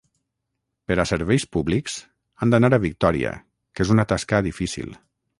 Per a serveis públics, han d'anar a Victòria, que és una tasca difícil.